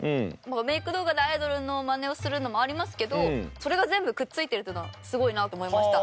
メイク動画でアイドルのマネをするのもありますけどそれが全部くっついてるっていうのはすごいなと思いました。